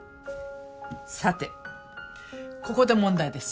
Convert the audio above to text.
さてここで問題です